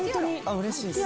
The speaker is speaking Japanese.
うれしいです。